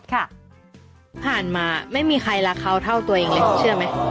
ผ่านมาไม่มีใครรักเขาเท่าตัวเองเลยเชื่อไหม